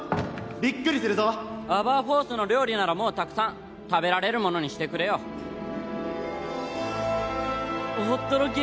びっくりするぞアバーフォースの料理ならもうたくさん食べられるものにしてくれよ驚き！